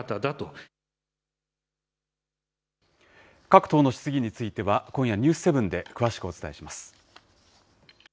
各党の質疑については、今夜、ニュース７で詳しくお伝えします。